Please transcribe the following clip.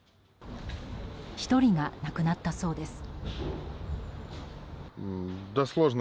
１人が亡くなったそうです。